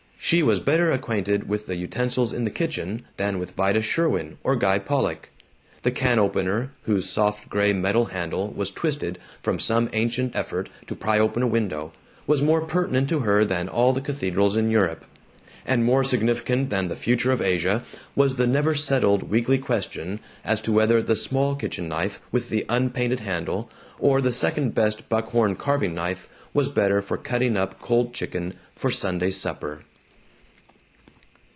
She was better acquainted with the utensils in the kitchen than with Vida Sherwin or Guy Pollock. The can opener, whose soft gray metal handle was twisted from some ancient effort to pry open a window, was more pertinent to her than all the cathedrals in Europe; and more significant than the future of Asia was the never settled weekly question as to whether the small kitchen knife with the unpainted handle or the second best buckhorn carving knife was better for cutting up cold chicken for Sunday supper.